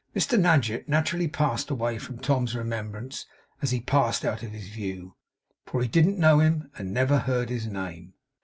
Mr Nadgett naturally passed away from Tom's remembrance as he passed out of his view; for he didn't know him, and had never heard his name.